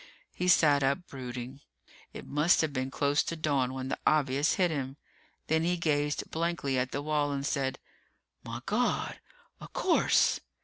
He sat up, brooding. It must have been close to dawn when the obvious hit him. Then he gazed blankly at the wall and said, "Migawd! O'course!"